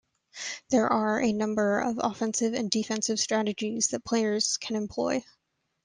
There are a number of offensive and defensive strategies that players can employ.